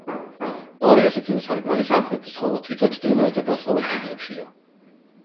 ორი ასეთივე სარკმელი სამხრეთის, ხოლო თითო ჩრდილოეთ და დასავლეთ კედლებშია.